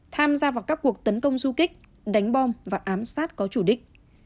tham gia vào các cuộc tấn công du kích đánh bom và ám sát có chủ đích